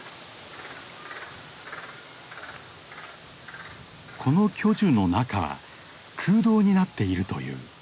この巨樹の中は空洞になっているという。